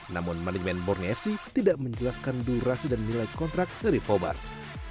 namun manajemen borneo fc tidak menjelaskan durasi dan nilai kontrak dari fobat